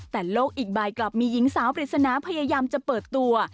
แต่โลกอีกใบกลับมีหญิงสาวปริศนาพยายามจะเปิดตัว